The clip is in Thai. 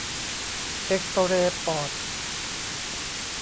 เอกซเรย์ปอด